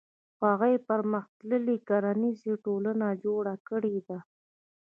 هغوی پرمختللې کرنیزه ټولنه جوړه کړې ده.